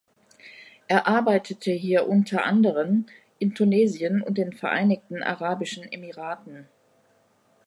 Er arbeitete hier unter anderem in Tunesien und den Vereinigten Arabischen Emiraten.